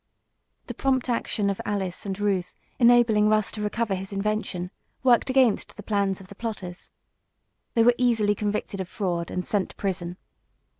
The prompt action of Alice and Ruth, enabling Russ to recover his invention, worked against the plans of the plotters. They were easily convicted of fraud, and sent to prison.